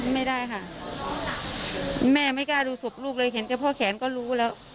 ไม่ได้ค่ะแม่ไม่กล้าดูศพลูกเลยเห็นแต่พ่อแขนก็รู้แล้ว